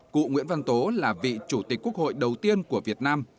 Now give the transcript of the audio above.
cụ nguyễn văn tố là vị chủ tịch quốc hội đầu tiên của việt nam